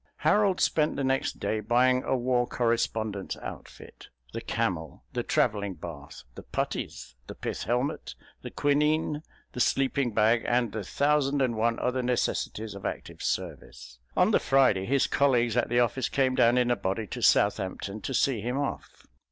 Harold spent the next day buying a war correspondent's outfit: the camel, the travelling bath, the putties, the pith helmet, the quinine, the sleeping bag, and the thousand and one other necessities of active service. On the Friday his colleagues at the office came down in a body to Southampton to see him off.